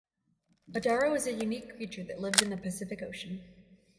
Adaro is a unique creature that lived in the Pacific Ocean.